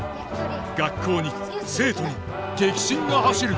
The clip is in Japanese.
学校に生徒に激震が走る。